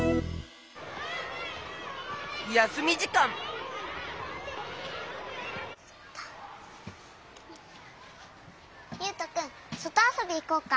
やすみじかんゆうとくんそとあそびいこうか。